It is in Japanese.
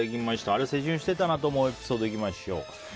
あれは青春してたなぁと思うエピソードいきましょう。